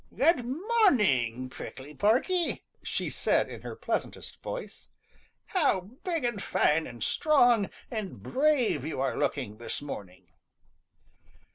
"Good morning, Prickly Porky," she said in her pleasantest voice. "How big and fine and strong and brave you are looking this morning!"